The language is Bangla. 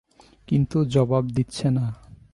কিন্তু জবাব দিচ্ছে না।